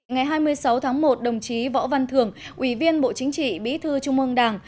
ngày hai mươi sáu tháng một đồng chí võ văn thường ủy viên bộ chính trị bí thư trung ương đảng